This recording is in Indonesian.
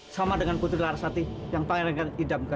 sama dengan putri larsati yang panggilkan idamkan